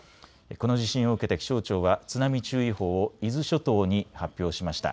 この地震を受けて気象庁は津波注意報を伊豆諸島に発表しました。